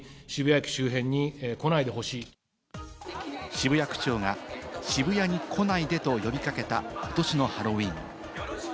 渋谷区長が渋谷に来ないでと呼び掛けた、ことしのハロウィーン。